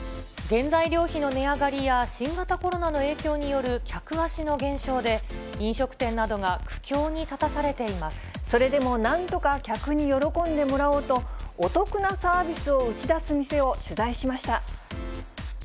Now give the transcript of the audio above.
原材料費の値上がりや、新型コロナの影響による客足の減少で、飲食店などが苦境に立たさそれでもなんとか客に喜んでもらおうと、お得なサービスを打ち出す店を取材しました。